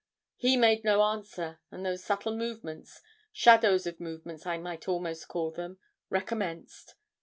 "He made no answer; and those subtle movements shadows of movements I might almost call them recommenced.